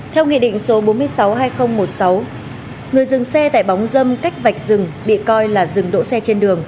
theo nghị định số bốn mươi sáu hai nghìn một mươi sáu người dừng xe tại bóng dâm cách vạch rừng bị coi là dừng đỗ xe trên đường